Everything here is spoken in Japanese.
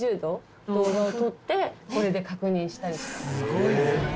すごいな。